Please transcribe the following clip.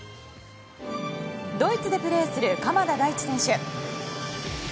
ドイツでプレーする鎌田大地選手。